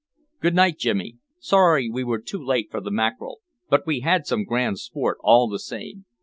Good night, Jimmy. Sorry we were too late for the mackerel, but we had some grand sport, all the same.